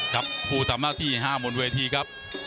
ครับผู้ทำหน้าที่๕บนเวทีครับ